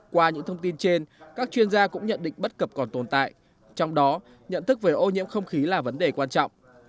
qua những thông tin trên các chuyên gia cũng nhận định bất cập còn tồn tại trong đó nhận thức về ô nhiễm không khí là vấn đề quan trọng